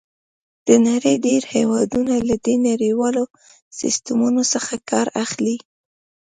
د نړۍ ډېر هېوادونه له دې نړیوالو سیسټمونو څخه کار اخلي.